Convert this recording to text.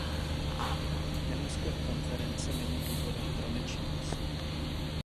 Neúspěch konference není důvodem pro nečinnost.